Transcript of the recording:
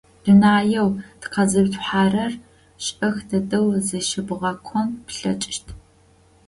Дунаеу тыкъэзыуцухьэрэр шӏэх дэдэу зэщыбгъэкъон плъэкӏыщт.